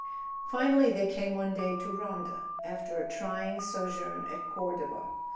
Finally they came one day to Ronda, after a trying sojourn at Cordova.